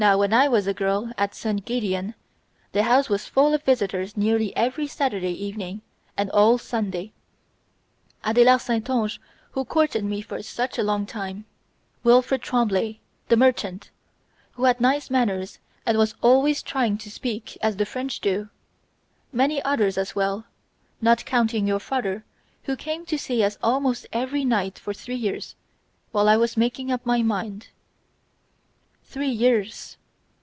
Now, when I was a girl at St. Gedeon, the house was full of visitors nearly every Saturday evening and all Sunday: Adelard Saint Onge who courted me for such a long time; Wilfrid Tremblay, the merchant, who had nice manners and was always trying to speak as the French do; many others as well not counting your father who came to see us almost every night for three years, while I was making up my mind..." Three years!